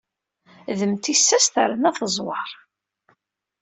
D mm tissas terna teẓwer.